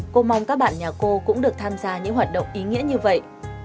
cô mong các bạn nhà cô cũng được tham gia những hoạt động ý nghĩa như vậy